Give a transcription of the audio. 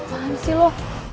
paham sih lo